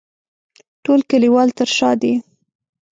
ټول کلیوال تر شا دي.